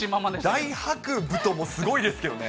大白太もすごいですけどね。